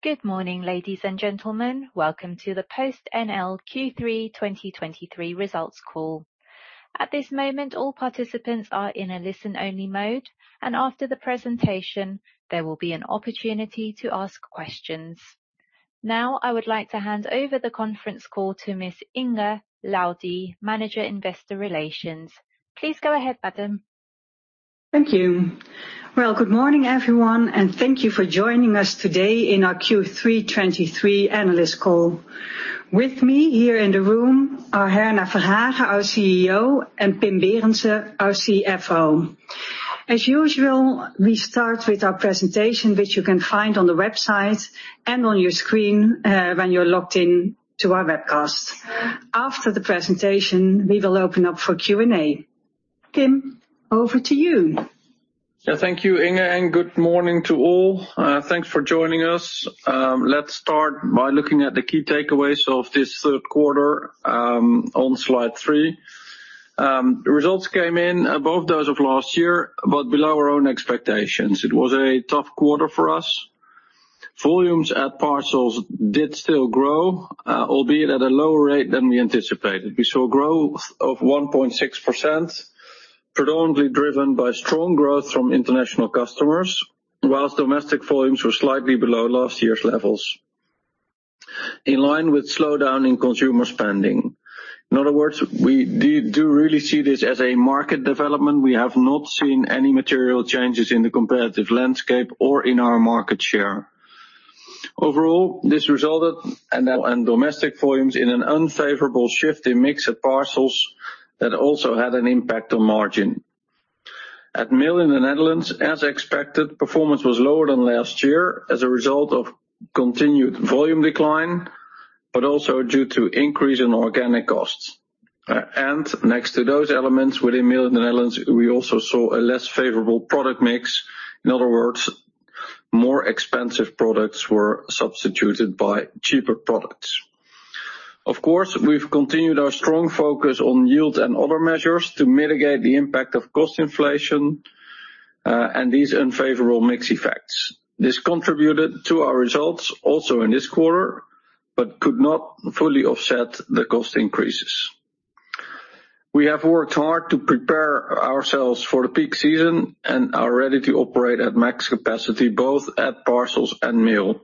Good morning, ladies and gentlemen. Welcome to the PostNL Q3 2023 Results Call. At this moment, all participants are in a listen-only mode, and after the presentation, there will be an opportunity to ask questions. Now, I would like to hand over the conference call to Ms. Inge Laudy, Manager Investor Relations. Please go ahead, madam. Thank you. Well, good morning, everyone, and thank you for joining us today in our Q3 2023 analyst call. With me here in the room are Herna Verhagen, our CEO, and Pim Berendsen, our CFO. As usual, we start with our presentation, which you can find on the website and on your screen, when you're logged in to our webcast. After the presentation, we will open up for Q&A. Pim, over to you. Yeah. Thank you, Inge, and good morning to all. Thanks for joining us. Let's start by looking at the key takeaways of this third quarter, on slide three. The results came in above those of last year, but below our own expectations. It was a tough quarter for us. Volumes at parcels did still grow, albeit at a lower rate than we anticipated. We saw growth of 1.6%, predominantly driven by strong growth from international customers, while domestic volumes were slightly below last year's levels, in line with slowdown in consumer spending. In other words, we do, do really see this as a market development. We have not seen any material changes in the competitive landscape or in our market share. Overall, this resulted in that and domestic volumes in an unfavorable shift in mix of parcels that also had an impact on margin. At Mail in the Netherlands, as expected, performance was lower than last year as a result of continued volume decline, but also due to increase in organic costs. And next to those elements, within Mail in the Netherlands, we also saw a less favorable product mix. In other words, more expensive products were substituted by cheaper products. Of course, we've continued our strong focus on yield and other measures to mitigate the impact of cost inflation, and these unfavorable mix effects. This contributed to our results also in this quarter but could not fully offset the cost increases. We have worked hard to prepare ourselves for the peak season and are ready to operate at max capacity, both at parcels and mail,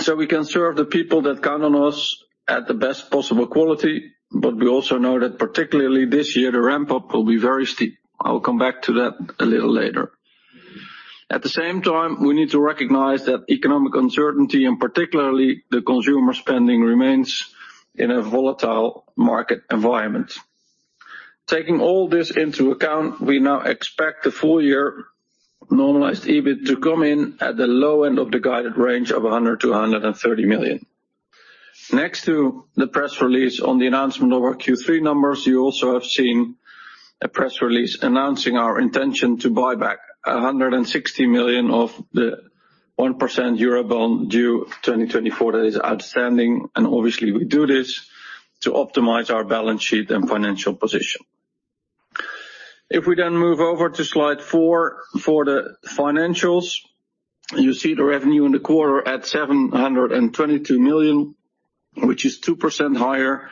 so we can serve the people that count on us at the best possible quality. But we also know that particularly this year, the ramp-up will be very steep. I'll come back to that a little later. At the same time, we need to recognize that economic uncertainty, and particularly the consumer spending, remains in a volatile market environment. Taking all this into account, we now expect the full year Normalized EBIT to come in at the low end of the guided range of 100-130 million. Next to the press release on the announcement of our Q3 numbers, you also have seen a press release announcing our intention to buy back 160 million of the 1% Eurobond due 2024 that is outstanding, and obviously, we do this to optimize our balance sheet and financial position. If we then move over to slide four for the financials, you see the revenue in the quarter at 722 million, which is 2% higher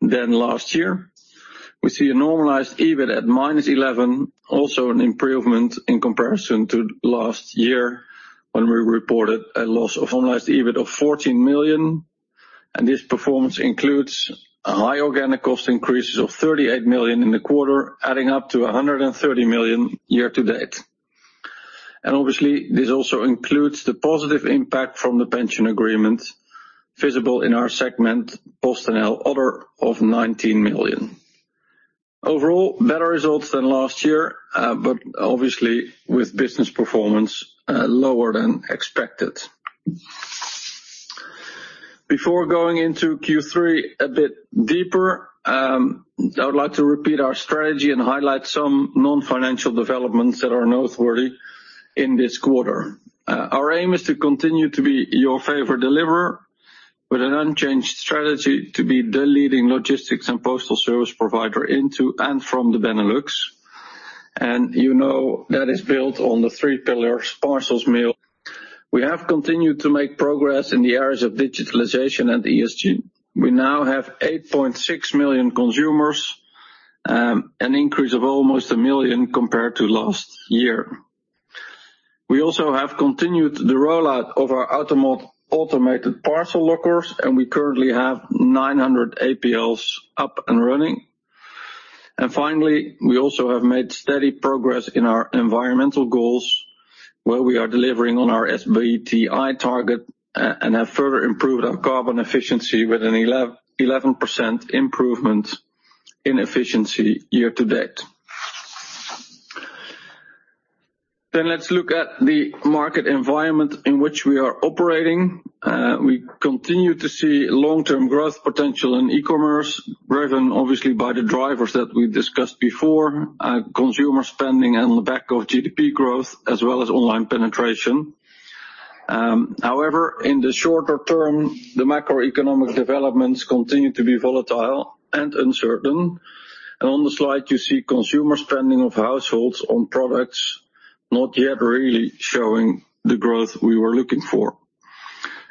than last year. We see a Normalized EBIT at -11 million, also an improvement in comparison to last year, when we reported a loss of Normalized EBIT of 14 million, and this performance includes a high organic cost increases of 38 million in the quarter, adding up to 130 million year to date. Obviously, this also includes the positive impact from the pension agreement, visible in our segment, PostNL Other, of 19 million. Overall, better results than last year, but obviously, with business performance, lower than expected. Before going into Q3 a bit deeper, I would like to repeat our strategy and highlight some non-financial developments that are noteworthy in this quarter. Our aim is to continue to be your favorite deliverer with an unchanged strategy to be the leading logistics and postal service provider into and from the Benelux. You know, that is built on the three pillars: parcels, mail... We have continued to make progress in the areas of digitalization and ESG. We now have 8.6 million consumers, an increase of almost 1 million compared to last year. We also have continued the rollout of our automated parcel lockers, and we currently have 900 APLs up and running. And finally, we also have made steady progress in our environmental goals, where we are delivering on our SBTi target and have further improved our carbon efficiency with an 11% improvement in efficiency year to date. Then let's look at the market environment in which we are operating. We continue to see long-term growth potential in e-commerce, driven obviously by the drivers that we discussed before, consumer spending and the back of GDP growth, as well as online penetration. However, in the shorter term, the macroeconomic developments continue to be volatile and uncertain. And on the slide, you see consumer spending of households on products not yet really showing the growth we were looking for.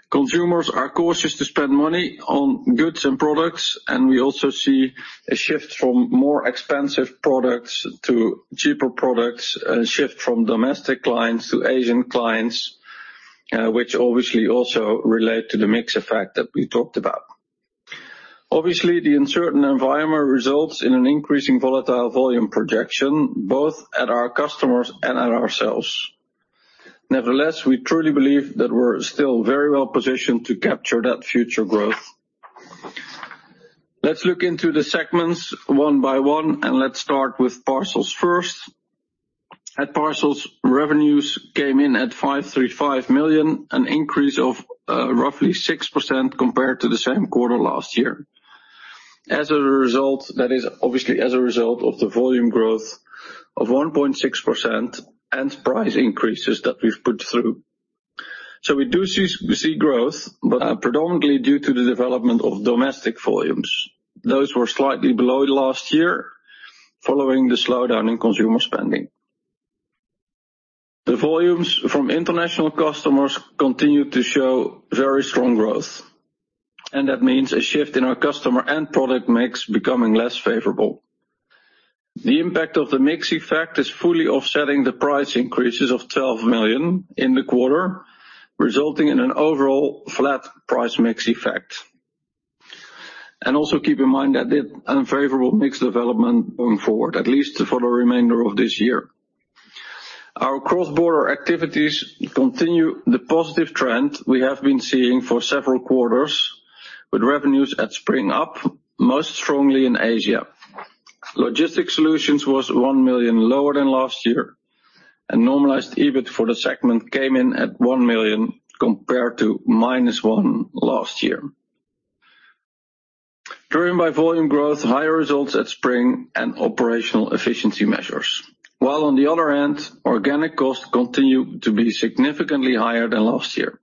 Consumers are cautious to spend money on goods and products, and we also see a shift from more expensive products to cheaper products, and a shift from domestic clients to Asian clients, which obviously also relate to the mix effect that we talked about. Obviously, the uncertain environment results in an increasing volatile volume projection, both at our customers and at ourselves. Nevertheless, we truly believe that we're still very well positioned to capture that future growth. Let's look into the segments one by one, and let's start with parcels first. At parcels, revenues came in at 535 million, an increase of roughly 6% compared to the same quarter last year. As a result, that is obviously as a result of the volume growth of 1.6% and price increases that we've put through. So we do see growth, but predominantly due to the development of domestic volumes. Those were slightly below last year, following the slowdown in consumer spending. The volumes from international customers continued to show very strong growth, and that means a shift in our customer and product mix becoming less favorable. The impact of the mix effect is fully offsetting the price increases of 12 million in the quarter, resulting in an overall flat price mix effect. Also keep in mind that the unfavorable mix development going forward, at least for the remainder of this year. Our cross-border activities continue the positive trend we have been seeing for several quarters, with revenues at Spring up, most strongly in Asia. Logistics Solutions was 1 million lower than last year, and normalized EBIT for the segment came in at 1 million, compared to minus 1 million last year. Driven by volume growth, higher results at Spring and operational efficiency measures. While on the other hand, organic costs continue to be significantly higher than last year.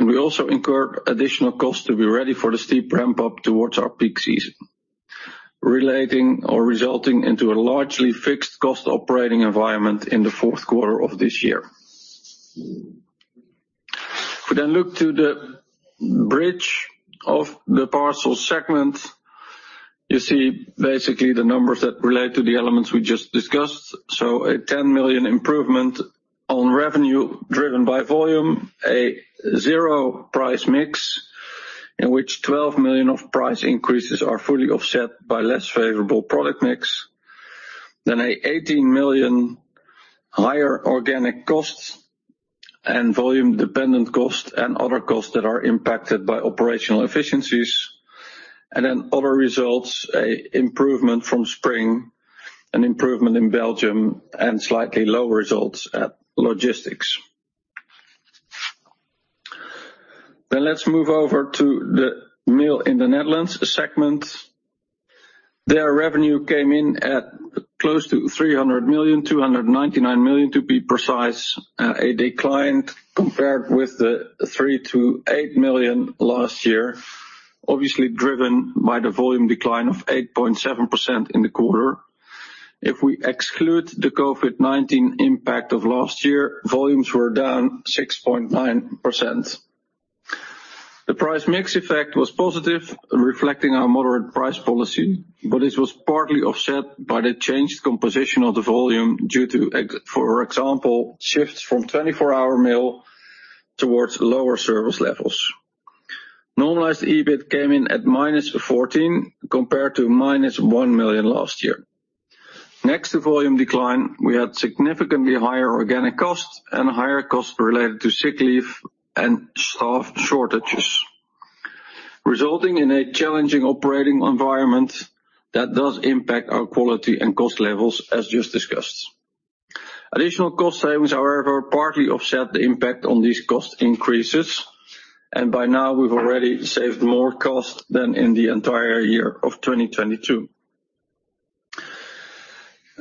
We also incurred additional costs to be ready for the steep ramp-up towards our peak season, relating or resulting into a largely fixed cost operating environment in the fourth quarter of this year. If we then look to the bridge of the parcel segment, you see basically the numbers that relate to the elements we just discussed. A 10 million improvement on revenue driven by volume, a 0 price mix, in which 12 million of price increases are fully offset by less favorable product mix. Then an 18 million higher organic costs and volume-dependent costs and other costs that are impacted by operational efficiencies, and then other results, an improvement from Spring, an improvement in Belgium, and slightly lower results at logistics. Then let's move over to the Mail in the Netherlands segment. Their revenue came in at close to 300 million, 299 million, to be precise, a decline compared with the 308 million last year, obviously driven by the volume decline of 8.7% in the quarter. If we exclude the COVID-19 impact of last year, volumes were down 6.9%. The price mix effect was positive, reflecting our moderate price policy, but this was partly offset by the changed composition of the volume due to, for example, shifts from 24-hour mail towards lower service levels. Normalized EBIT came in at -14 million, compared to -1 million last year. Next to volume decline, we had significantly higher organic costs and higher costs related to sick leave and staff shortages, resulting in a challenging operating environment that does impact our quality and cost levels, as just discussed. Additional cost savings, however, partly offset the impact on these cost increases, and by now, we've already saved more costs than in the entire year of 2022.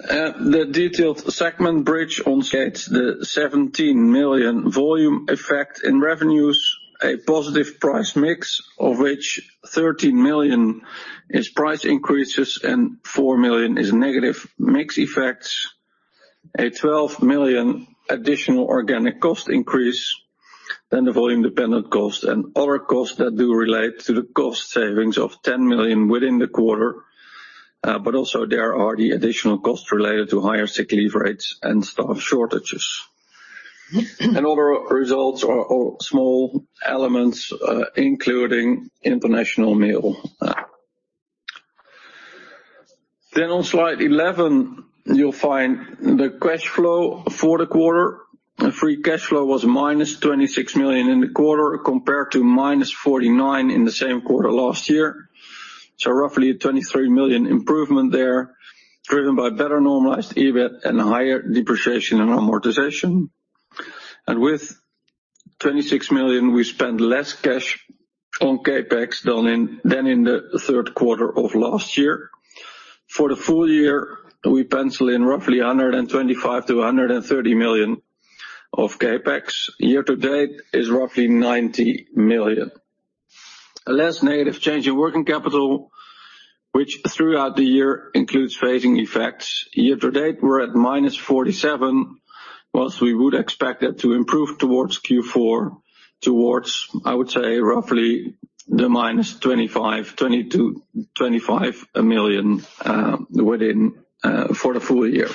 The detailed segment bridge on stage, the 17 million volume effect in revenues, a positive price mix, of which 13 million is price increases and 4 million is negative mix effects, a 12 million additional organic cost increase, then the volume dependent cost and other costs that do relate to the cost savings of 10 million within the quarter, but also there are the additional costs related to higher sick leave rates and staff shortages. Other results are small elements, including international mail. Then on slide 11, you'll find the cash flow for the quarter. Free cash flow was minus 26 million in the quarter, compared to minus 49 million in the same quarter last year. So roughly a 23 million improvement there, driven by better normalized EBIT and higher depreciation and amortization. With 26 million, we spent less cash on CapEx than in, than in the third quarter of last year. For the full year, we pencil in roughly 125-130 million of CapEx. Year to date is roughly 90 million. A less negative change in working capital, which throughout the year includes phasing effects. Year to date, we're at -47 million, whilst we would expect that to improve towards Q4, towards, I would say, roughly 20 million to -25 million within for the full year.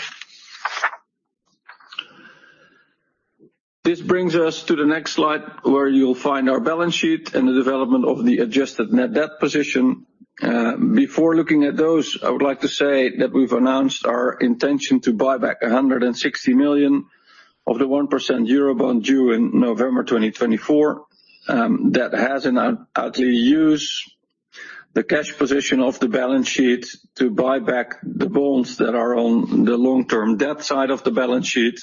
This brings us to the next slide, where you'll find our balance sheet and the development of the adjusted net debt position. Before looking at those, I would like to say that we've announced our intention to buy back 160 million of the 1% Eurobond due in November 2024. That has an outlay to use the cash position of the balance sheet to buy back the bonds that are on the long-term debt side of the balance sheet.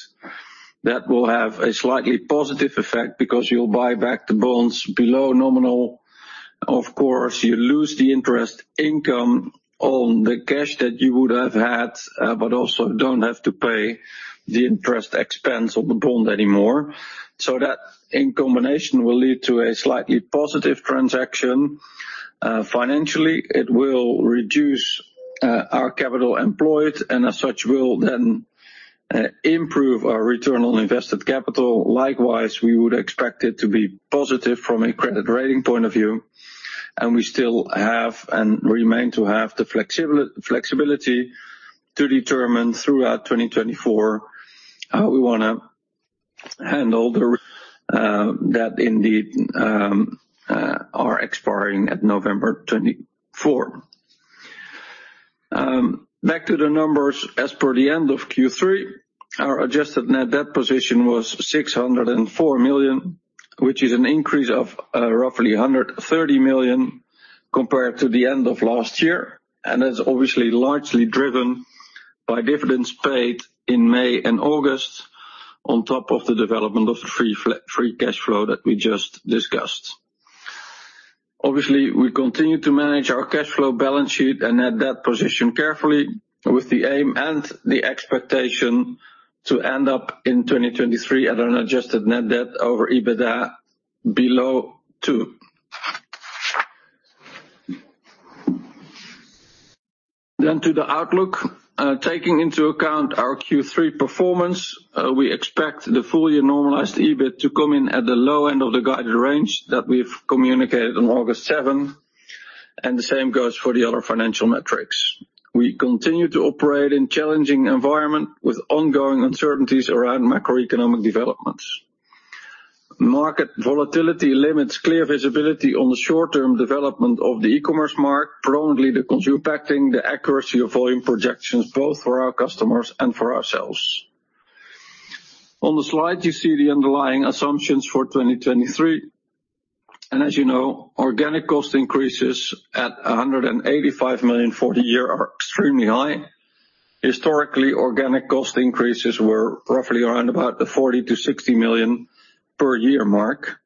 That will have a slightly positive effect because you'll buy back the bonds below nominal. Of course, you lose the interest income on the cash that you would have had, but also don't have to pay the interest expense on the bond anymore. So that in combination, will lead to a slightly positive transaction. Financially, it will reduce our capital employed, and as such, will then improve our return on invested capital. Likewise, we would expect it to be positive from a credit rating point of view, and we still have and remain to have the flexibility to determine throughout 2024, how we wanna handle the bonds that indeed are expiring at November 2024. Back to the numbers. As per the end of Q3, our adjusted net debt position was 604 million, which is an increase of roughly 130 million compared to the end of last year, and is obviously largely driven by dividends paid in May and August on top of the development of the free cash flow that we just discussed. Obviously, we continue to manage our cash flow balance sheet and net debt position carefully with the aim and the expectation to end up in 2023 at an adjusted net debt over EBITDA below two. Then to the outlook. Taking into account our Q3 performance, we expect the full year normalized EBIT to come in at the low end of the guided range that we've communicated on August 7, and the same goes for the other financial metrics. We continue to operate in challenging environment with ongoing uncertainties around macroeconomic developments. Market volatility limits clear visibility on the short-term development of the e-commerce market, predominantly the consumer, impacting the accuracy of volume projections, both for our customers and for ourselves. On the slide, you see the underlying assumptions for 2023, and as you know, organic cost increases at 185 million for the year are extremely high. Historically, organic cost increases were roughly around about the 40 million to 60 million per year mark.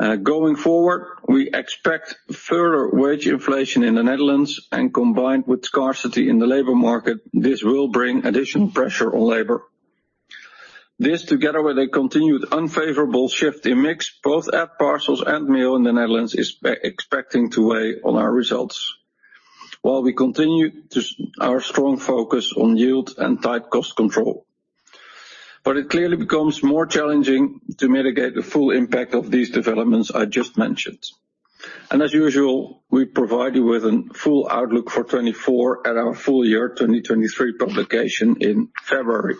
Going forward, we expect further wage inflation in the Netherlands, and combined with scarcity in the labor market, this will bring additional pressure on labor. This, together with a continued unfavorable shift in mix, both at parcels and Mail in the Netherlands, is expecting to weigh on our results. While we continue our strong focus on yield and tight cost control, but it clearly becomes more challenging to mitigate the full impact of these developments I just mentioned. As usual, we provide you with a full outlook for 2024 at our full year 2023 publication in February.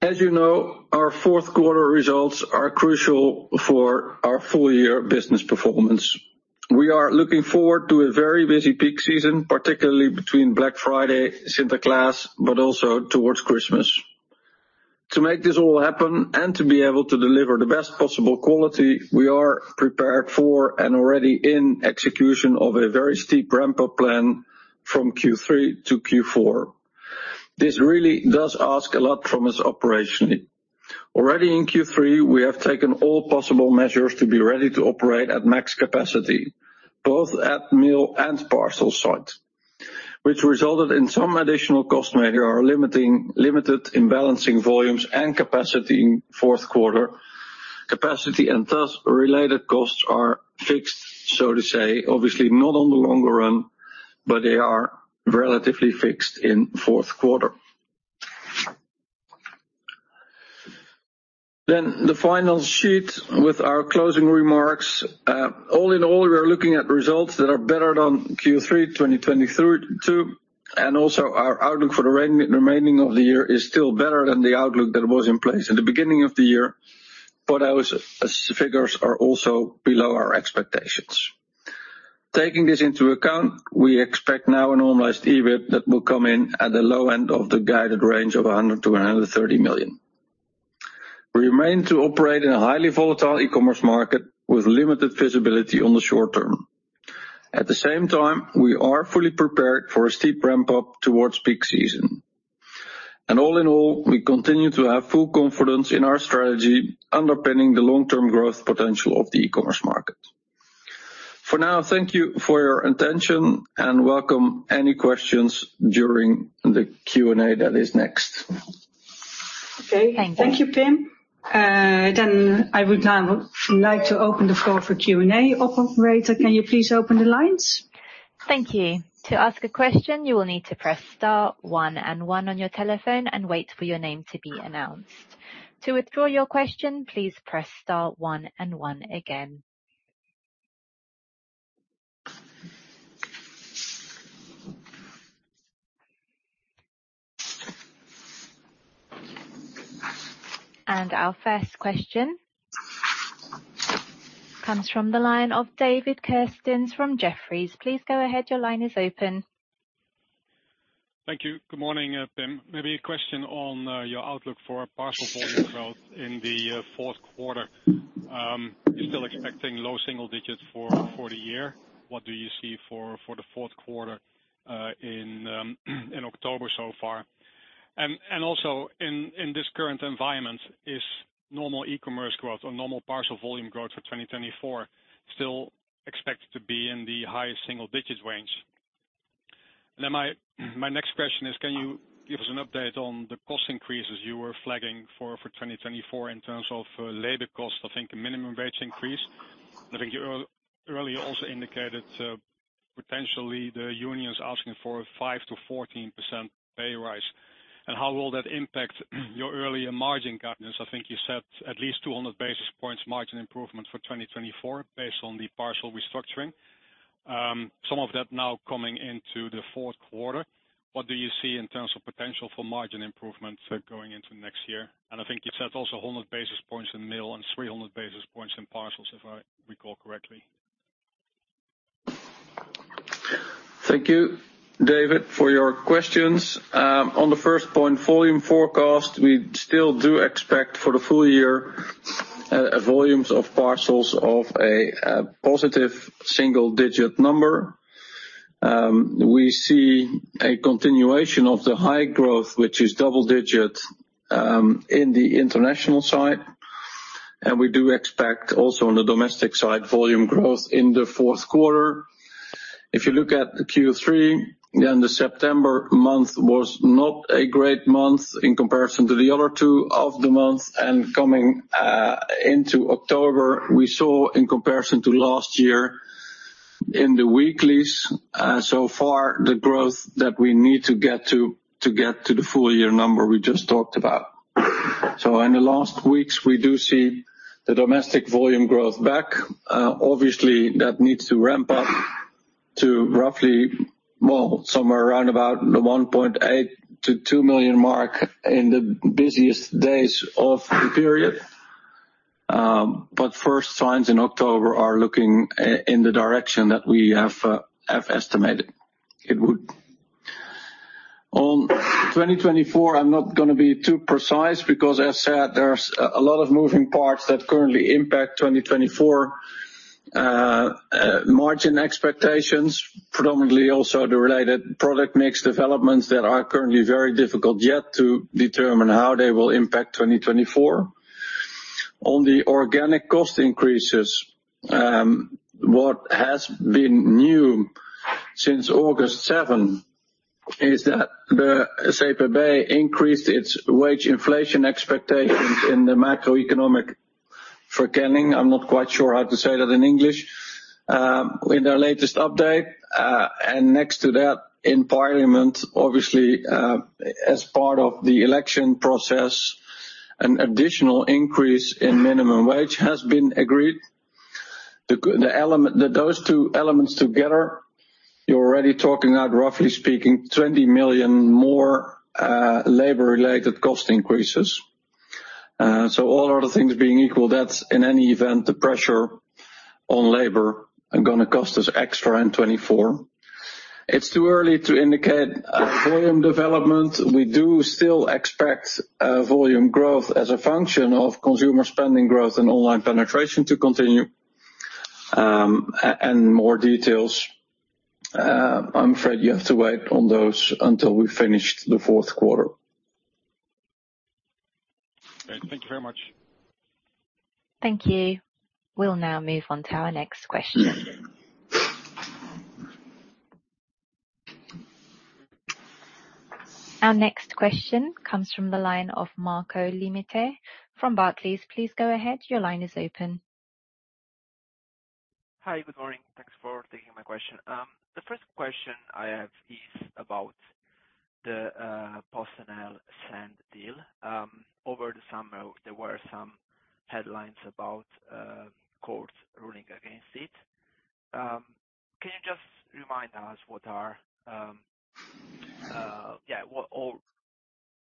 As you know, our fourth quarter results are crucial for our full year business performance. We are looking forward to a very busy peak season, particularly between Black Friday, Sinterklaas, but also towards Christmas. To make this all happen and to be able to deliver the best possible quality, we are prepared for and already in execution of a very steep ramp-up plan from Q3 to Q4. This really does ask a lot from us operationally. Already in Q3, we have taken all possible measures to be ready to operate at max capacity, both at mail and parcel site, which resulted in some additional cost where we are limited in balancing volumes and capacity in fourth quarter. Capacity and thus, related costs are fixed, so to say, obviously not on the longer run, but they are relatively fixed in fourth quarter. The final sheet with our closing remarks. All in all, we are looking at results that are better than Q3 2023 too, and also our outlook for the remaining of the year is still better than the outlook that was in place in the beginning of the year, but our figures are also below our expectations. Taking this into account, we expect now a Normalized EBIT that will come in at the low end of the guided range of 100-130 million. We remain to operate in a highly volatile e-commerce market with limited visibility on the short term. At the same time, we are fully prepared for a steep ramp-up towards Peak Season. All in all, we continue to have full confidence in our strategy, underpinning the long-term growth potential of the e-commerce market. For now, thank you for your attention, and welcome any questions during the Q&A that is next. Okay. Thank you, Pim. Then I would now like to open the floor for Q&A. Operator, can you please open the lines? Thank you. To ask a question, you will need to press star one and one on your telephone and wait for your name to be announced. To withdraw your question, please press star one and one again. Our first question comes from the line of David Kerstens from Jefferies. Please go ahead. Your line is open. Thank you. Good morning, Pim. Maybe a question on your outlook for parcel volume growth in the fourth quarter. You're still expecting low single digits for the year. What do you see for the fourth quarter in October so far? And also in this current environment, is normal e-commerce growth or normal parcel volume growth for 2024 still expected to be in the high single digits range? Then my next question is, can you give us an update on the cost increases you were flagging for 2024 in terms of labor costs? I think a minimum wage increase. I think you earlier also indicated potentially the union is asking for a 5%-14% pay rise. And how will that impact your earlier margin guidance? I think you said at least 200 basis points margin improvement for 2024, based on the parcel restructuring. Some of that now coming into the fourth quarter, what do you see in terms of potential for margin improvement going into next year? And I think you said also 100 basis points in mail and 300 basis points in parcels, if I recall correctly. Thank you, David, for your questions. On the first point, volume forecast, we still do expect for the full year, volumes of parcels of a positive single-digit number. We see a continuation of the high growth, which is double-digit, in the international side, and we do expect also on the domestic side, volume growth in the fourth quarter. If you look at Q3, then the September month was not a great month in comparison to the other two of the month. And coming into October, we saw, in comparison to last year, in the weeklies, so far, the growth that we need to get to, to get to the full year number we just talked about. So in the last weeks, we do see the domestic volume growth back. Obviously, that needs to ramp up to roughly, well, somewhere around about the 1.8-2 million mark in the busiest days of the period. But first signs in October are looking in the direction that we have, have estimated it would. On 2024, I'm not gonna be too precise because as I said, there's a, a lot of moving parts that currently impact 2024, margin expectations. Predominantly, also the related product mix developments that are currently very difficult, yet to determine how they will impact 2024. On the organic cost increases, what has been new since 7 August, is that the CPB increased its wage inflation expectations in the macroeconomic forecasting. I'm not quite sure how to say that in English. In their latest update, and next to that, in parliament, obviously, as part of the election process, an additional increase in minimum wage has been agreed. The element. Those two elements together, you're already talking about, roughly speaking, 20 million more labor-related cost increases. So all other things being equal, that's in any event, the pressure on labor are gonna cost us extra in 2024. It's too early to indicate volume development. We do still expect volume growth as a function of consumer spending growth and online penetration to continue. And more details, I'm afraid you have to wait on those until we've finished the fourth quarter. Okay. Thank you very much. Thank you. We'll now move on to our next question. Our next question comes from the line of Marco Limite from Barclays. Please go ahead. Your line is open. Hi, good morning. Thanks for taking my question. The first question I have is about the PostNL-Sandd deal. Over the summer, there were some headlines about a court ruling against it. Can you just remind us what all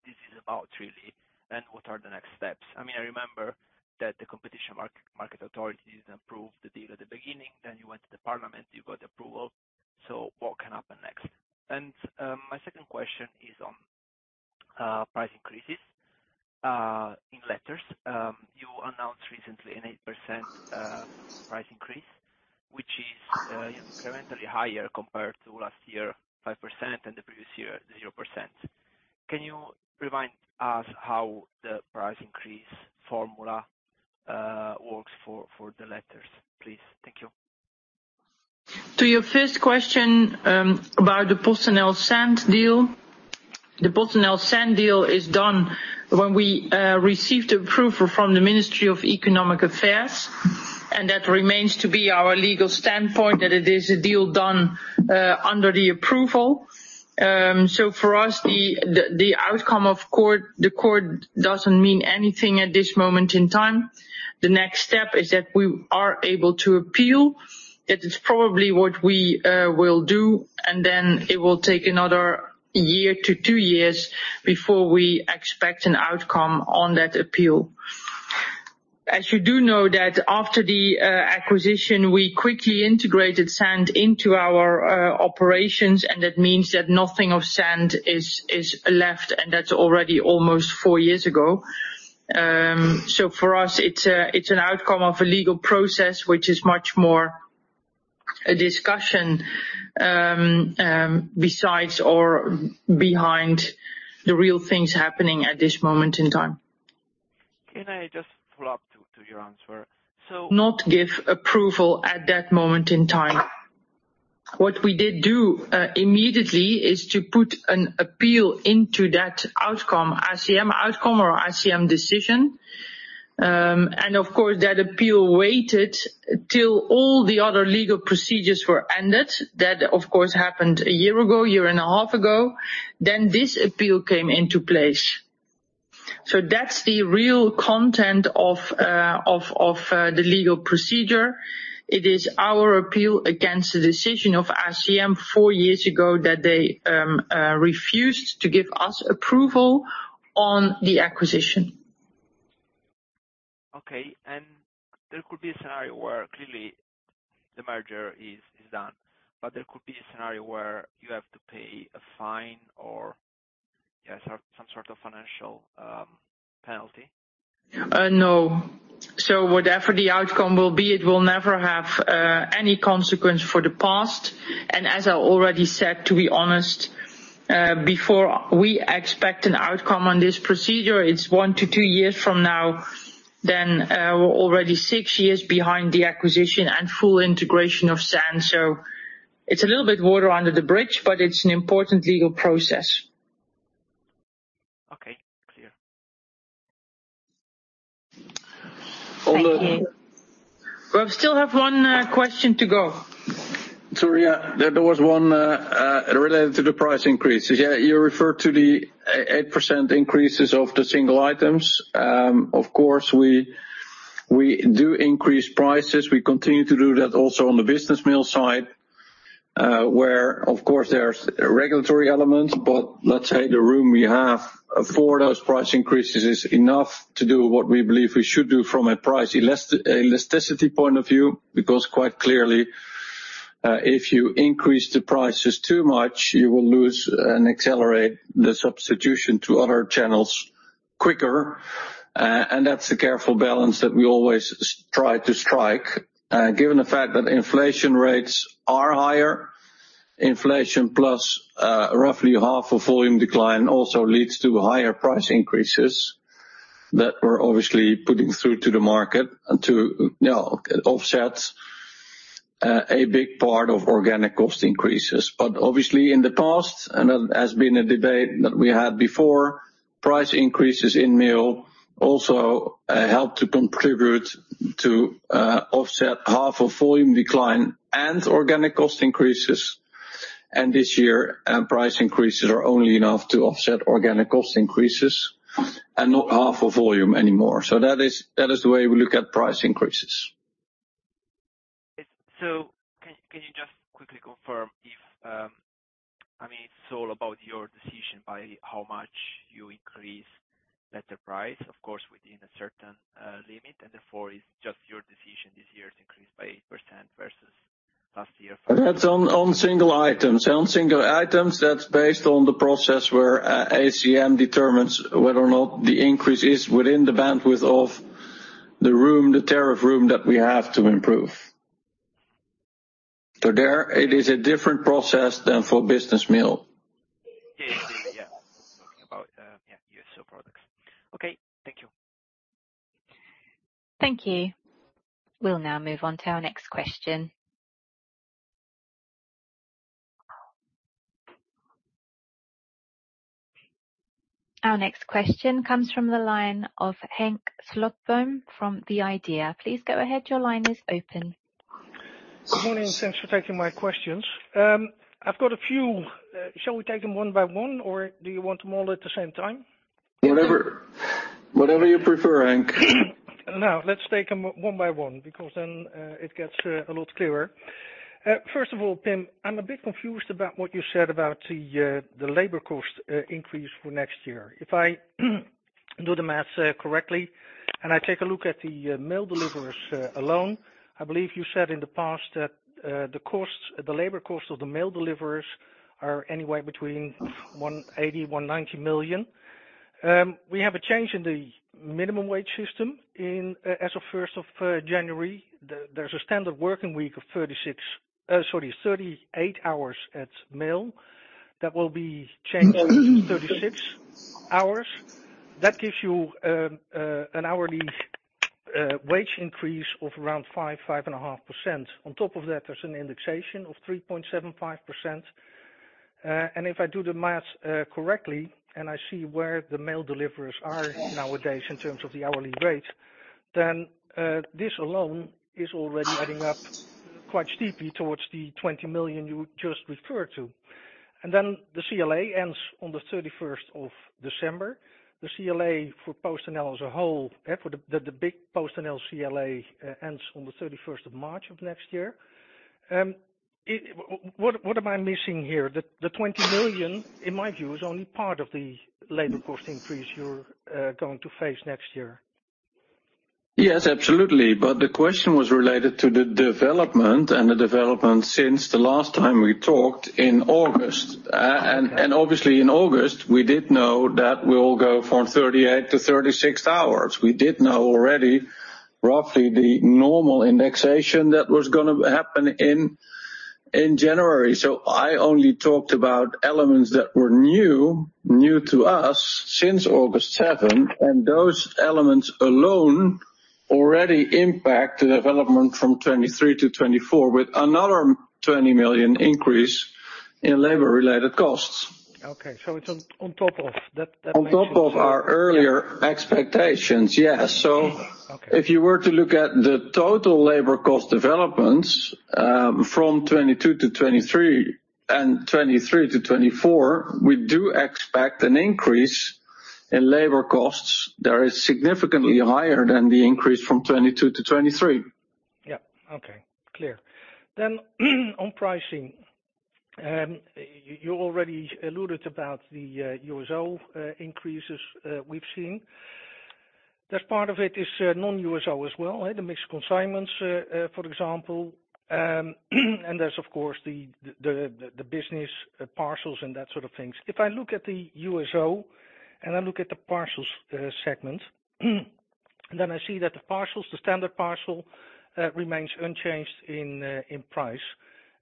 this is about really, and what are the next steps? I mean, I remember that the competition authorities approved the deal at the beginning, then you went to the parliament, you got approval. So what can happen next? My second question is on price increases in letters. You announced recently an 8% price increase, which is incrementally higher compared to last year, 5%, and the previous year, 0%. Can you remind us how the price increase formula works for the letters, please? Thank you. To your first question, about the PostNL Sandd deal. The PostNL Sandd deal is done when we received approval from the Ministry of Economic Affairs, and that remains to be our legal standpoint, that it is a deal done under the approval. So for us, the outcome of court, the court doesn't mean anything at this moment in time. The next step is that we are able to appeal. That is probably what we will do, and then it will take another year to two years before we expect an outcome on that appeal. As you do know, that after the acquisition, we quickly integrated Sandd into our operations, and that means that nothing of Sandd is left, and that's already almost four years ago. So, for us, it's an outcome of a legal process, which is much more a discussion, besides or behind the real things happening at this moment in time. Can I just follow up to your answer? So not give approval at that moment in time. What we did do, immediately, is to put an appeal into that outcome, ACM outcome or ACM decision. And of course, that appeal waited till all the other legal procedures were ended. That, of course, happened a year ago, a year and a half ago, then this appeal came into place. So that's the real content of, the legal procedure. It is our appeal against the decision of ACM four years ago, that they, refused to give us approval on the acquisition. Okay, and there could be a scenario where clearly the merger is done, but there could be a scenario where you have to pay a fine or, yes, some sort of financial penalty? No. So whatever the outcome will be, it will never have any consequence for the past. And as I already said, to be honest, before we expect an outcome on this procedure, it's 1-2 years from now, then we're already 6 years behind the acquisition and full integration of Sandd. So it's a little bit water under the bridge, but it's an important legal process. Okay. Clear. Thank you. We still have one question to go. Sorry, yeah, there was one related to the price increase. Yeah, you referred to the 8% increases of the single items. Of course, we do increase prices. We continue to do that also on the business mail side, where, of course, there are regulatory elements, but let's say the room we have for those price increases is enough to do what we believe we should do from a price elasticity point of view. Because quite clearly, if you increase the prices too much, you will lose and accelerate the substitution to other channels quicker. And that's a careful balance that we always try to strike. Given the fact that inflation rates are higher, inflation plus roughly half of volume decline also leads to higher price increases that we're obviously putting through to the market and to, you know, offset a big part of organic cost increases. But obviously, in the past, and that has been a debate that we had before, price increases in mail also helped to contribute to offset half of volume decline and organic cost increases. And this year, price increases are only enough to offset organic cost increases and not half of volume anymore. So that is, that is the way we look at price increases. So can you just quickly confirm if I mean, it's all about your decision, by how much you increase that price, of course, within a certain limit, and therefore it's just your decision this year to increase by 8% versus last year? That's on single items. On single items, that's based on the process where ACM determines whether or not the increase is within the bandwidth of the room, the tariff room, that we have to improve. So there it is a different process than for business mail. Yes, yes, yeah. Talking about, yeah, USO products. Okay, thank you. Thank you. We'll now move on to our next question. Our next question comes from the line of Henk Slotboom, from The Idea. Please go ahead. Your line is open. Good morning. Thanks for taking my questions. I've got a few, shall we take them one by one, or do you want them all at the same time? Whatever, whatever you prefer, Henk. Now, let's take them one by one, because then it gets a lot clearer. First of all, Pim, I'm a bit confused about what you said about the labor cost increase for next year. If I do the math correctly, and I take a look at the mail deliverers alone, I believe you said in the past that the costs, the labor cost of the mail deliverers are anywhere between 180 million-190 million. We have a change in the minimum wage system in as of first of January. There's a standard working week of 36, sorry, 38 hours at mail. That will be changed to 36 hours. That gives you an hourly wage increase of around 5-5.5%. On top of that, there's an indexation of 3.75%. And if I do the math correctly, and I see where the mail deliverers are nowadays in terms of the hourly rate, then this alone is already adding up quite steeply towards the 20 million you just referred to. And then the CLA ends on the thirty-first of December. The CLA for PostNL as a whole, for the big PostNL CLA, ends on the thirty-first of March of next year. What am I missing here? The twenty million, in my view, is only part of the labor cost increase you're going to face next year. Yes, absolutely. But the question was related to the development, and the development since the last time we talked in August. Obviously in August, we did know that we'll go from 38 to 36 hours. We did know already roughly the normal indexation that was gonna happen in January. So I only talked about elements that were new to us since August 7, and those elements alone already impact the development from 2023 to 2024, with another 20 million increase in labor-related costs. Okay, so it's on top of that, that makes sense. On top of our earlier expectations, yes. Okay. If you were to look at the total labor cost developments, from 2022 to 2023 and 2023 to 2024, we do expect an increase in labor costs that is significantly higher than the increase from 2022 to 2023. Yeah. Okay, clear. Then, on pricing, you already alluded about the USO increases we've seen. That part of it is non-USO as well, the mixed consignments, for example. And there's of course the business, the parcels and that sort of things. If I look at the USO, and I look at the parcels segment, then I see that the parcels, the standard parcel remains unchanged in price,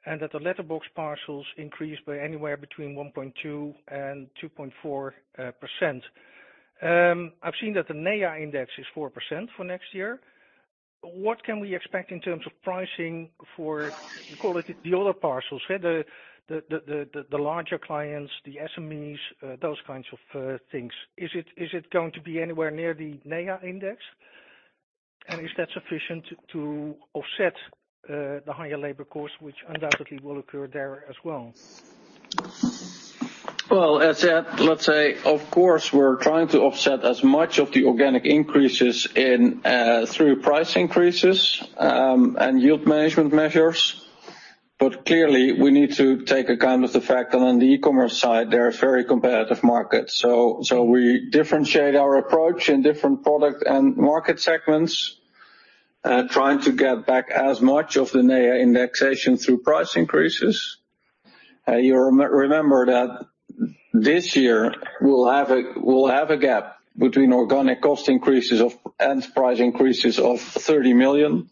and that the letterbox parcels increased by anywhere between 1.2%-2.4%. I've seen that the NEA Index is 4% for next year. What can we expect in terms of pricing for quality the other parcels, the larger clients, the SMEs, those kinds of things? Is it, is it going to be anywhere near the NEA Index? And is that sufficient to offset the higher labor costs, which undoubtedly will occur there as well? Well, as said, let's say, of course, we're trying to offset as much of the organic increases in through price increases and yield management measures, but clearly, we need to take account of the fact that on the e-commerce side, there are very competitive markets. So we differentiate our approach in different product and market segments, trying to get back as much of the NEA Index through price increases. You remember that this year we'll have a gap between organic cost increases of and price increases of 30 million.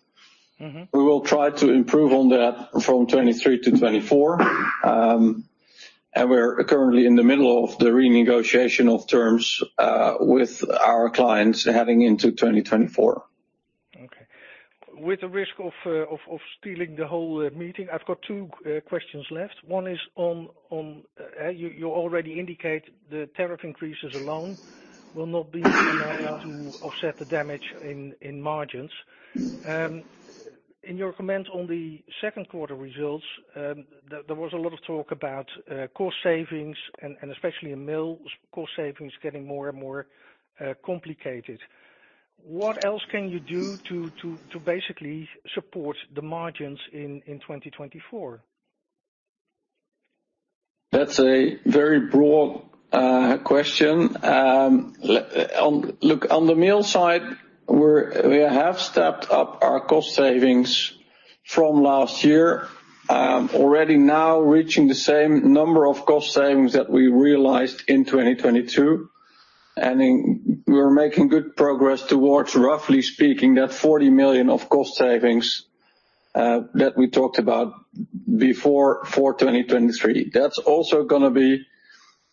Mm-hmm. We will try to improve on that from 2023 to 2024. We're currently in the middle of the renegotiation of terms with our clients heading into 2024. Okay. With the risk of stealing the whole meeting, I've got two questions left. One is on you already indicate the tariff increases alone will not be enough to offset the damage in margins. In your comment on the second quarter results, there was a lot of talk about cost savings, and especially in mail, cost savings getting more and more complicated. What else can you do to basically support the margins in 2024? That's a very broad question. Look, on the mail side, we have stepped up our cost savings from last year, already now reaching the same number of cost savings that we realized in 2022. And we're making good progress towards, roughly speaking, that 40 million of cost savings that we talked about before for 2023. That's also gonna be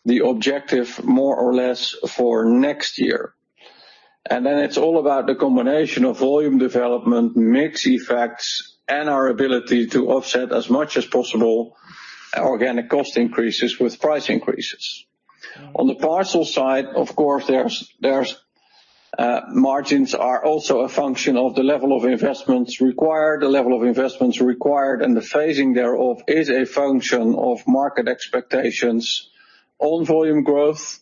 the objective, more or less, for next year. And then it's all about the combination of volume development, mix effects, and our ability to offset as much as possible organic cost increases with price increases. Mm. On the parcel side, of course, margins are also a function of the level of investments required. The level of investments required and the phasing thereof is a function of market expectations on volume growth,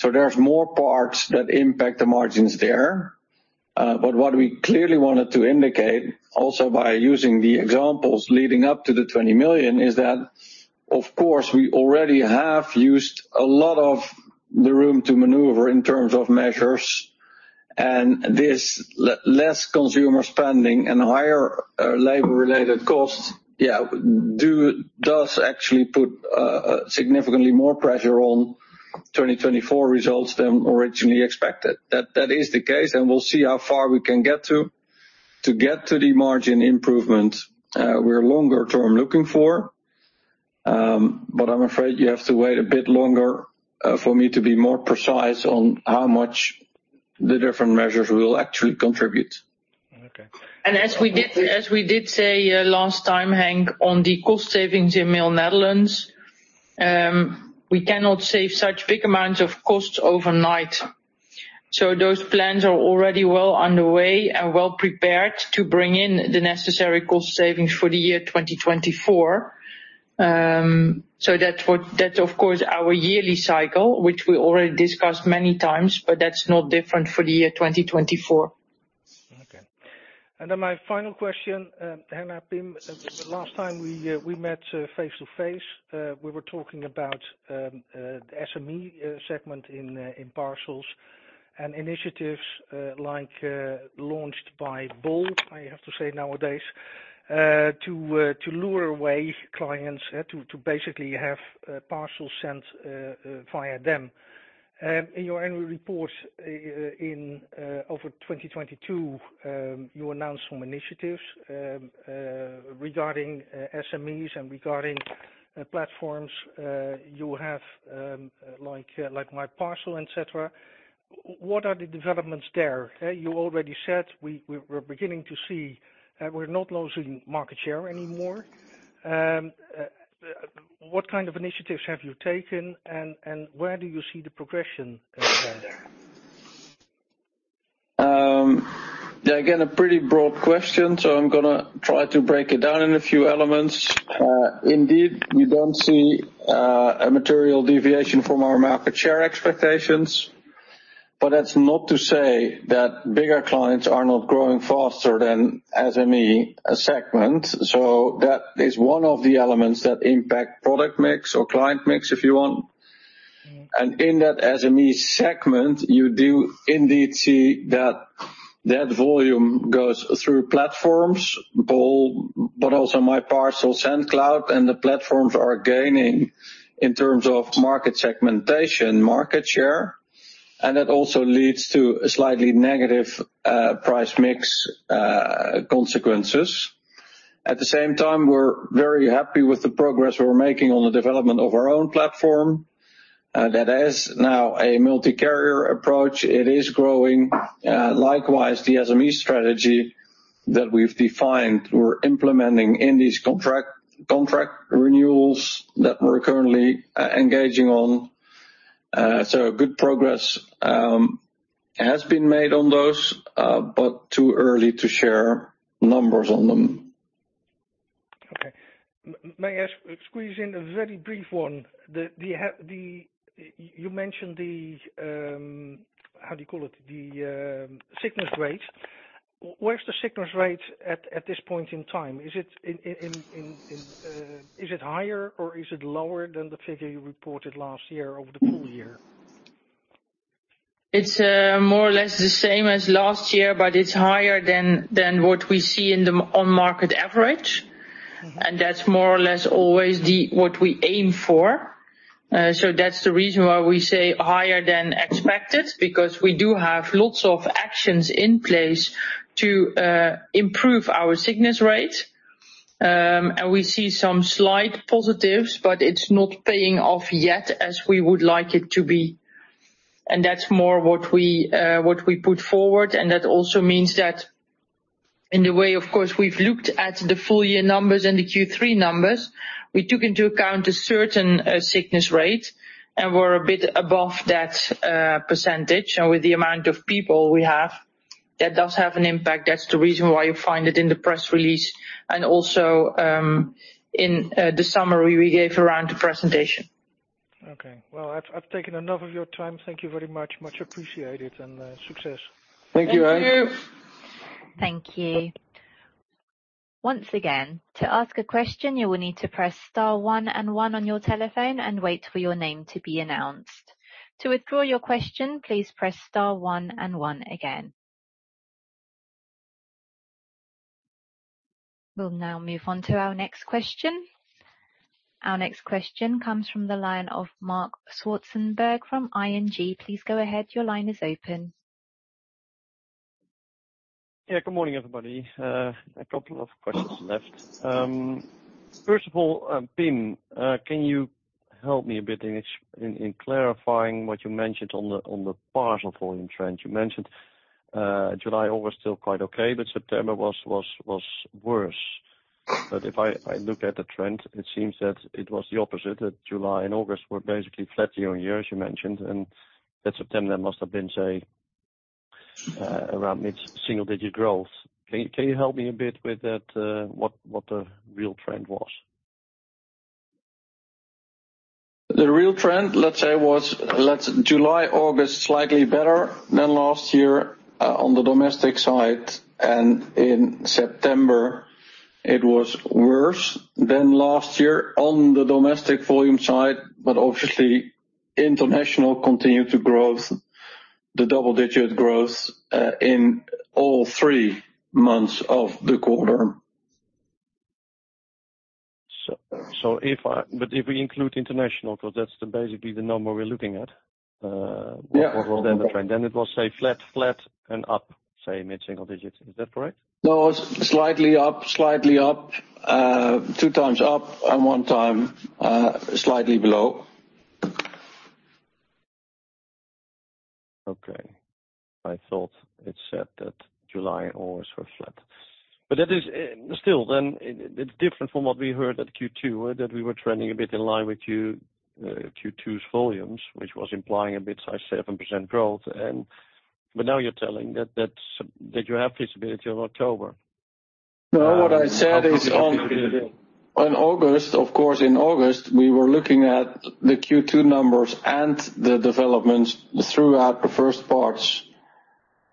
so there's more parts that impact the margins there. But what we clearly wanted to indicate, also by using the examples leading up to 20 million, is that of course, we already have used a lot of the room to maneuver in terms of measures. And this less consumer spending and higher labor-related costs, yeah, does actually put significantly more pressure on 2024 results than originally expected. That is the case, and we'll see how far we can get to get to the margin improvement we're longer term looking for. But I'm afraid you have to wait a bit longer, for me to be more precise on how much the different measures will actually contribute. Okay. As we did say, last time, Henk, on the cost savings in Mail Netherlands, we cannot save such big amounts of costs overnight. So those plans are already well underway and well prepared to bring in the necessary cost savings for the year 2024. So that would—that, of course, our yearly cycle, which we already discussed many times, but that's not different for the year 2024. Okay. And then my final question, Anna, Pim, the last time we met face-to-face, we were talking about the SME segment in parcels and initiatives like launched by bol. I have to say nowadays to lure away clients to basically have parcels sent via them. In your annual report in over 2022, you announced some initiatives regarding SMEs and regarding platforms you have like MyParcel, et cetera. What are the developments there? You already said we're beginning to see we're not losing market share anymore. What kind of initiatives have you taken, and where do you see the progression there? Yeah, again, a pretty broad question, so I'm gonna try to break it down in a few elements. Indeed, we don't see a material deviation from our market share expectations, but that's not to say that bigger clients are not growing faster than SME segment. So that is one of the elements that impact product mix or client mix, if you want. And in that SME segment, you do indeed see that volume goes through platforms, bol, but also MyParcel and Sendcloud, and the platforms are gaining in terms of market segmentation, market share, and that also leads to a slightly negative price mix consequences. At the same time, we're very happy with the progress we're making on the development of our own platform that is now a multi-carrier approach. It is growing. Likewise, the SME strategy that we've defined, we're implementing in these contract renewals that we're currently engaging on. So good progress has been made on those, but too early to share numbers on them. Okay. May I ask, squeeze in a very brief one? The you mentioned the, how do you call it? The sickness rate. Where's the sickness rate at this point in time? Is it higher or is it lower than the figure you reported last year over the full year? It's more or less the same as last year, but it's higher than what we see in the on market average, and that's more or less always the what we aim for. So that's the reason why we say higher than expected, because we do have lots of actions in place to improve our sickness rate. And we see some slight positives, but it's not paying off yet as we would like it to be. And that's more what we what we put forward, and that also means that in the way, of course, we've looked at the full year numbers and the Q3 numbers, we took into account a certain sickness rate, and we're a bit above that percentage. And with the amount of people we have, that does have an impact. That's the reason why you find it in the press release and also in the summary we gave around the presentation. Okay, well, I've taken enough of your time. Thank you very much. Much appreciated, and success. Thank you, Henk. Thank you. Thank you. Once again, to ask a question, you will need to press star one and one on your telephone and wait for your name to be announced. To withdraw your question, please press star one and one again. We'll now move on to our next question. Our next question comes from the line of Marc Zwartsenburg from ING. Please go ahead. Your line is open. Yeah, good morning, everybody. A couple of questions left. First of all, Pim, can you help me a bit in clarifying what you mentioned on the parcel volume trend? You mentioned July, August, still quite okay, but September was worse. But if I look at the trend, it seems that it was the opposite, that July and August were basically flat year-on-year, as you mentioned, and that September must have been, say, around mid-single digit growth. Can you help me a bit with that, what the real trend was? The real trend, let's say, was last July, August, slightly better than last year on the domestic side, and in September, it was worse than last year on the domestic volume side, but obviously, international continued to growth, the double-digit growth in all three months of the quarter. .So, if I but if we include international, because that's basically the number we're looking at. Yeah. What was the trend? Then it was, say, flat, flat, and up, say, mid-single digits. Is that correct? No, it's slightly up, slightly up, two times up, and one time, slightly below. Okay. I thought it said that July, August were flat. But that is, still, then it, it's different from what we heard at Q2, right? That we were trending a bit in line with Q, Q2's volumes, which was implying a mid-size 7% growth, and but now you're telling that, that's, that you have visibility on October. No, what I said is, in August, of course, we were looking at the Q2 numbers and the developments throughout the first parts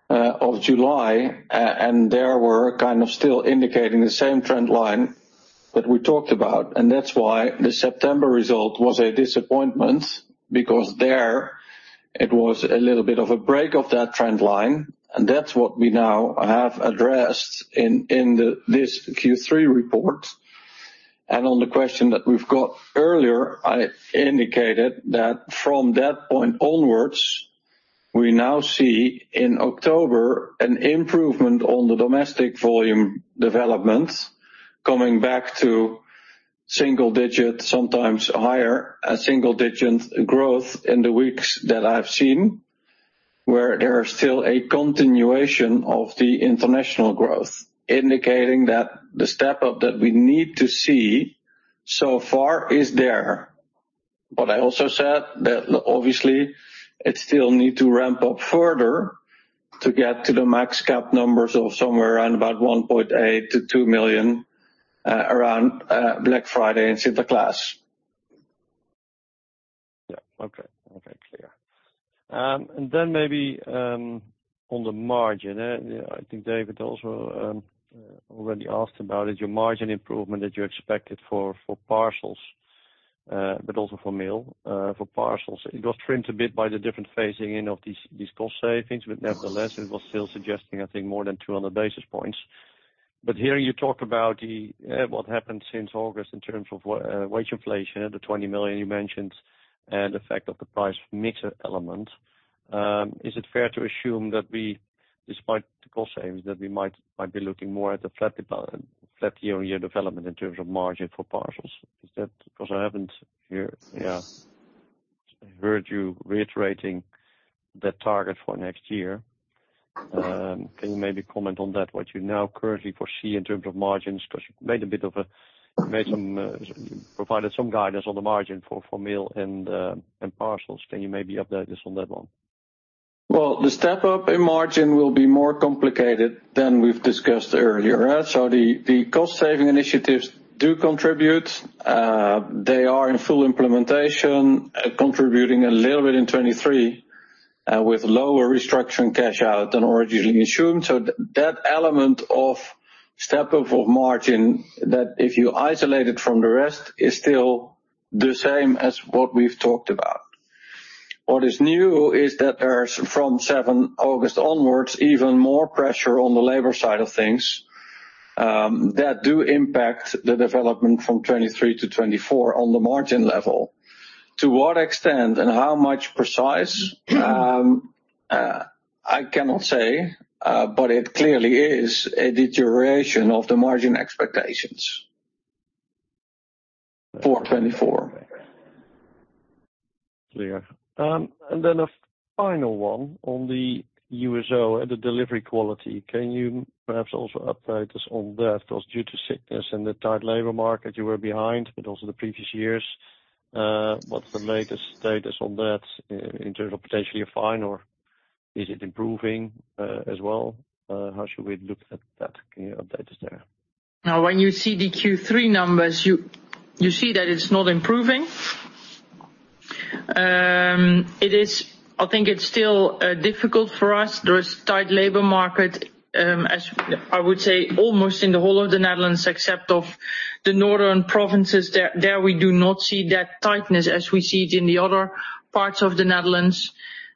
of July, and there were kind of still indicating the same trend line that we talked about, and that's why the September result was a disappointment, because there it was a little bit of a break of that trend line, and that's what we now have addressed in this Q3 report. And on the question that we've got earlier, I indicated that from that point onwards, we now see in October an improvement on the domestic volume development, coming back to single digit, sometimes higher, a single-digit growth in the weeks that I've seen, where there is still a continuation of the international growth, indicating that the step up that we need to see so far is there. But I also said that obviously it still need to ramp up further to get to the max cap numbers of somewhere around about 1.8-2 million, around, Black Friday and Sinterklaas. Yeah. Okay. Okay, clear. And then maybe on the margin, you know, I think David also already asked about it, your margin improvement that you expected for parcels, but also for mail. For parcels, it got trimmed a bit by the different phasing in of these cost savings, but nevertheless, it was still suggesting, I think, more than 200 basis points. But hearing you talk about what happened since August in terms of wage inflation, the 20 million you mentioned, and the effect of the price mixer element, is it fair to assume that we, despite the cost savings, that we might be looking more at a flat year-on-year development in terms of margin for parcels? Is that because I haven't heard you reiterating that target for next year. Can you maybe comment on that, what you now currently foresee in terms of margins? Because you provided some guidance on the margin for mail and parcels. Can you maybe update us on that one? Well, the step up in margin will be more complicated than we've discussed earlier, right? So the cost-saving initiatives do contribute. They are in full implementation, contributing a little bit in 2023, with lower restructuring cash out than originally assumed. So that element of step up of margin, that if you isolate it from the rest, is still the same as what we've talked about. What is new is that there's, from seventh August onwards, even more pressure on the labor side of things, that do impact the development from 2023 to 2024 on the margin level. To what extent and how much precise, I cannot say, but it clearly is a deterioration of the margin expectations for 2024. Clear. And then a final one on the USO and the delivery quality. Can you perhaps also update us on that? Because due to sickness and the tight labor market, you were behind, but also the previous years. What's the latest status on that in terms of potentially a fine or is it improving as well? How should we look at that? Can you update us there? Now, when you see the Q3 numbers, you see that it's not improving. It is—I think it's still difficult for us. There is tight labor market, as I would say, almost in the whole of the Netherlands, except of the northern provinces. There, we do not see that tightness as we see it in the other parts of the Netherlands.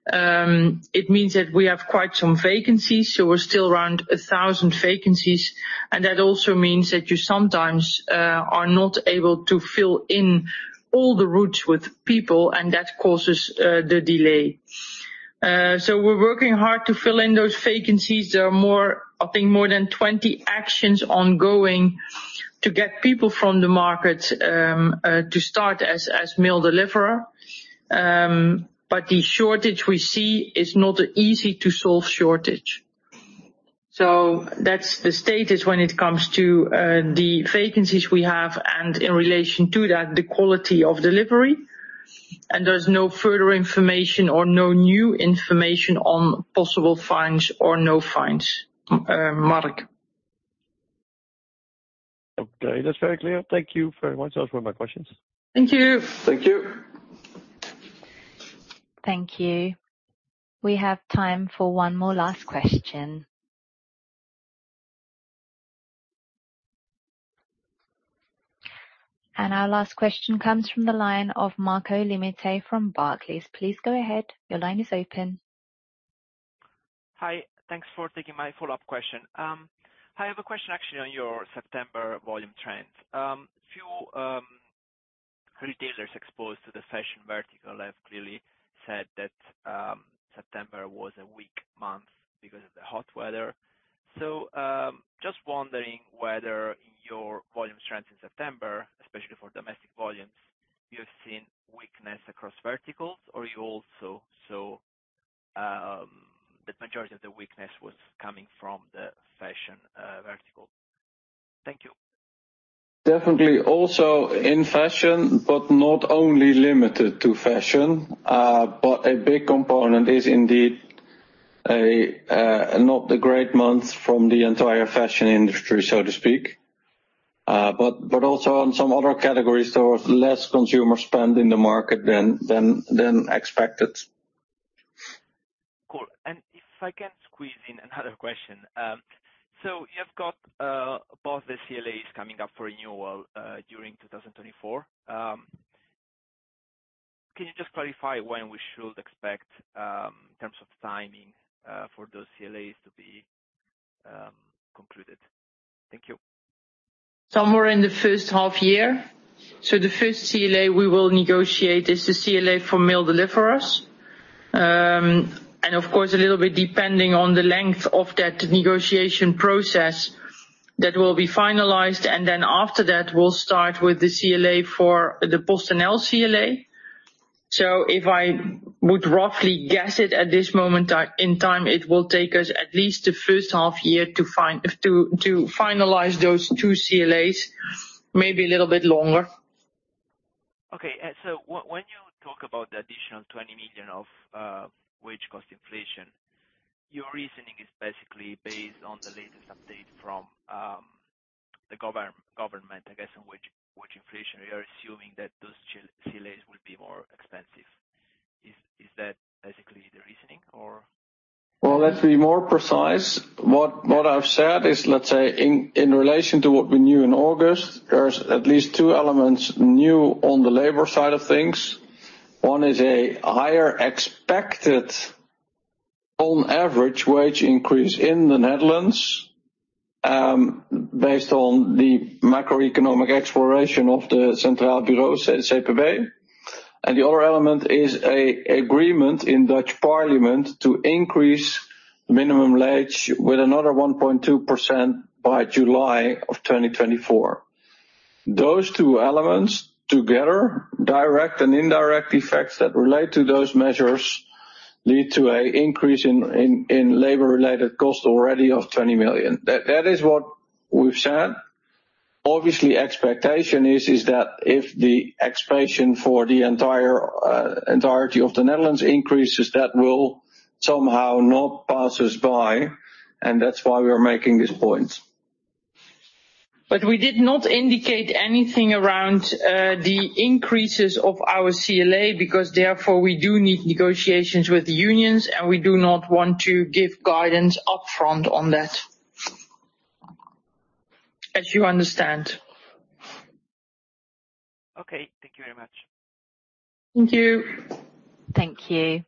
It means that we have quite some vacancies, so we're still around 1,000 vacancies, and that also means that you sometimes are not able to fill in all the routes with people, and that causes the delay. So we're working hard to fill in those vacancies. There are more, I think, more than 20 actions ongoing to get people from the market to start as mail deliverer. But the shortage we see is not an easy to solve shortage. So that's the status when it comes to the vacancies we have and in relation to that, the quality of delivery, and there's no further information or no new information on possible fines or no fines, Mark. Okay, that's very clear. Thank you very much. Those were my questions. Thank you. Thank you. Thank you. We have time for one more last question. Our last question comes from the line of Marco Limite from Barclays. Please go ahead. Your line is open.... Hi, thanks for taking my follow-up question. I have a question actually on your September volume trends. Few retailers exposed to the fashion vertical have clearly said that September was a weak month because of the hot weather. So, just wondering whether your volume trends in September, especially for domestic volumes, you've seen weakness across verticals, or you also saw the majority of the weakness was coming from the fashion vertical. Thank you. Definitely also in fashion, but not only limited to fashion, but a big component is indeed a, not the great month from the entire fashion industry, so to speak. But, but also on some other categories, there was less consumer spend in the market than, than, than expected. Cool. If I can squeeze in another question. So you've got both the CLAs coming up for renewal during 2024. Can you just clarify when we should expect, in terms of timing, for those CLAs to be concluded? Thank you. Somewhere in the first half year. So the first CLA we will negotiate is the CLA for mail deliverers. And of course, a little bit depending on the length of that negotiation process, that will be finalized, and then after that, we'll start with the CLA for the PostNL CLA. So if I would roughly guess it at this moment in time, it will take us at least the first half year to finalize those two CLAs, maybe a little bit longer. Okay, and so when you talk about the additional 20 million of wage cost inflation, your reasoning is basically based on the latest update from the government, I guess, on wage inflation. You're assuming that those CLAs will be more expensive. Is that basically the reasoning or? Well, let's be more precise. What I've said is, let's say, in relation to what we knew in August, there's at least two elements new on the labor side of things. One is a higher expected, on average, wage increase in the Netherlands, based on the macroeconomic exploration of the Centraal Planbureau, CPB. And the other element is a agreement in Dutch parliament to increase minimum wage with another 1.2% by July of 2024. Those two elements together, direct and indirect effects that relate to those measures, lead to a increase in labor-related costs already of 20 million. That is what we've said. Obviously, expectation is that if the expansion for the entire entirety of the Netherlands increases, that will somehow not pass us by, and that's why we are making this point. But we did not indicate anything around the increases of our CLA, because therefore, we do need negotiations with the unions, and we do not want to give guidance upfront on that. As you understand. Okay. Thank you very much. Thank you. Thank you.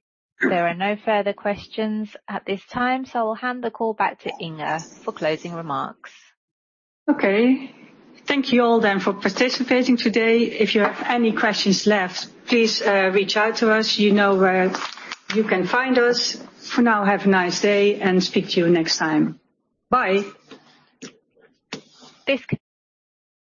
There are no further questions at this time, so I will hand the call back to Inge for closing remarks. Okay. Thank you all then for participating today. If you have any questions left, please, reach out to us. You know where you can find us. For now, have a nice day, and speak to you next time. Bye. This con-